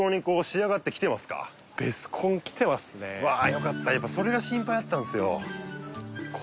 よかったやっぱそれが心配だったんですよ